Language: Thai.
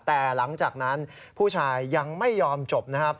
แต่หลังจากนั้นผู้ชายยังไม่ยอมจบนะครับ